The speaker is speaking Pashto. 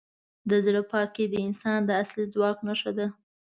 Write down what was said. د زړه پاکي د انسان د اصلي ځواک نښه ده.